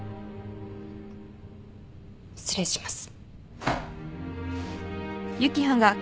失礼します。